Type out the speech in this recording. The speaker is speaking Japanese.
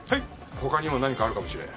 他にも何かあるかもしれん。